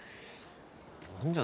何じゃ？